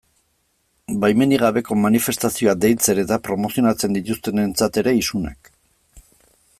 Baimenik gabeko manifestazioak deitzen eta promozionatzen dituztenentzat ere, isunak.